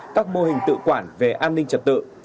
các mô hình tự quản về an ninh trật tự